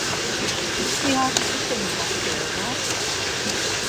Si hak mi şeni moxti e do?